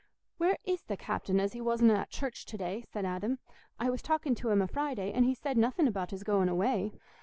"Where is the captain, as he wasna at church to day?" said Adam. "I was talking to him o' Friday, and he said nothing about his going away."